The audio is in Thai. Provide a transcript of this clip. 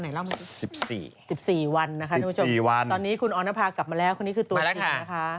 ตอนนี้คุณออนภาคกลับมาแล้วคนนี้คือตัวจริงนะคะ